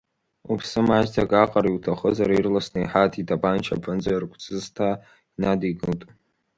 Уԥсы маҷӡак аҟара иуҭахызар, ирласны иҳаҭ, итапанча аԥынҵа иаргәҵысҭа инадикылт.